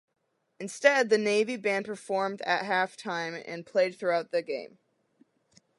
Instead, the Navy band performed at halftime and played throughout the game.